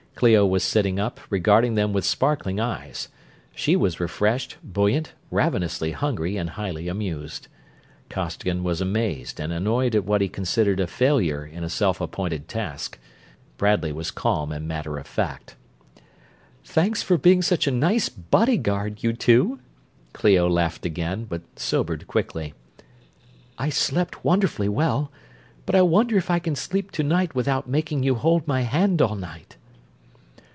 Clio was sitting up, regarding them with sparkling eyes. She was refreshed, buoyant, ravenously hungry and highly amused. Costigan was amazed and annoyed at what he considered a failure in a self appointed task; Bradley was calm and matter of fact. "Thanks for being such a nice bodyguard, you two," Clio laughed again, but sobered quickly. "I slept wonderfully well, but I wonder if I can sleep to night without making you hold my hand all night?"